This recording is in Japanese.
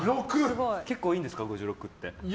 結構いいんですか、５６って。